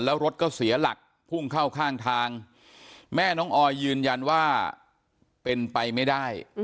แล้วรถก็เสียหลักพุ่งเข้าข้างทางแม่น้องออยยืนยันว่าเป็นไปไม่ได้